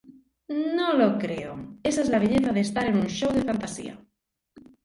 No lo creo...Esa es la belleza de estar en un show de fantasía.